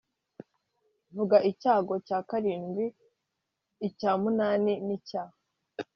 vuga icyago cya karindwi icya munani n icya